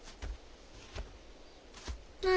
何？